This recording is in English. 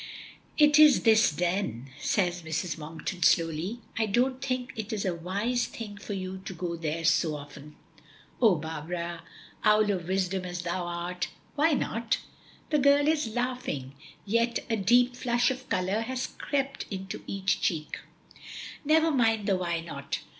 "It is this then," says Mrs. Monkton slowly. "I don't think it is a wise thing for you to go there so often." "Oh Barbara! Owl of Wisdom as thou art, why not?" The girl is laughing, yet a deep flush of color has crept into each cheek. "Never mind the why not.